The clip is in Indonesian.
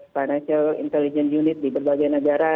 financial intelligence unit di berbagai negara